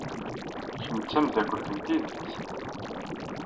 Kemm d tameddakelt n tidet.